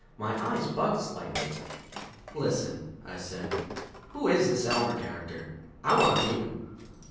My eyes bugged slightly. "Listen," I said, "who is this Elmer character? I want to meet him!"